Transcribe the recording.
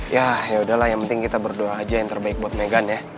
ya yaudahlah yang penting kita berdoa aja yang terbaik buat meghan ya